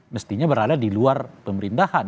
mestinya berada di luar pemerintahan